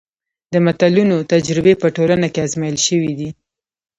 د متلونو تجربې په ټولنه کې ازمایل شوي دي